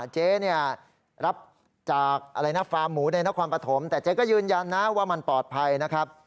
เจ๊รับจากฟาร์มหมูในนครปฐมแต่เจ๊ก็ยืนยันว่ามันปลอดภัยนะครับ